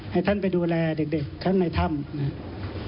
ให้ท่านไปดูแลเด็กทั้งในถ้ำนะครับ